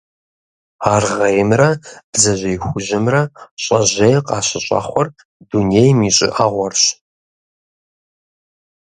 Аргъеймрэ бдзэжьей хужьымрэ щӀэжьей къащыщӀэхъуэр дунейм и щӀыӀэгъуэрщ.